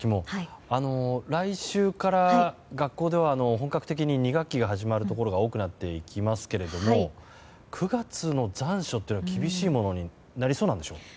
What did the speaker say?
来週から学校では本格的に２学期が始まるところが多くなっていきますけども９月の残暑というのは厳しいものになりそうなんでしょうか。